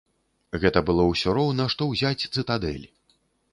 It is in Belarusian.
Гэта было ўсё роўна што ўзяць цытадэль.